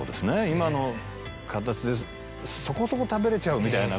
今の形でそこそこ食べれちゃうみたいな